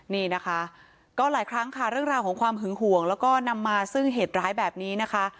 นี่นะคะก็หลายครั้งค่ะเรื่องราวของความหึงห่วงแล้วก็นำมาซึ่งเหตุร้ายแบบนี้นะคะ